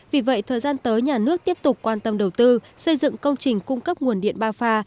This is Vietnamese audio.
vì vậy thời gian tới nhà nước tiếp tục quan tâm đầu tư xây dựng công trình cung cấp nguồn điện ba pha